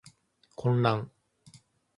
混乱